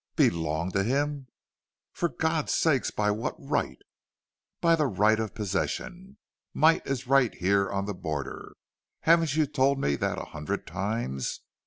"Belong to him!... For God's sake! By what right?" "By the right of possession. Might is right here on the border. Haven't you told me that a hundred times?